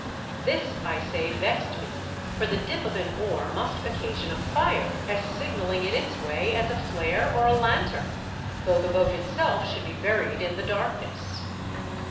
This, I say, vexed me ; for the dip of an oar must occasion a fire as signalling in its way as a flare or a lanthorn, though the boat itself should be buried in the darkness.